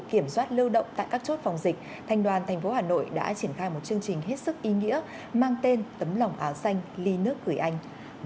để tổ chức ra chương trình tấm lòng áo xanh ly nước gửi anh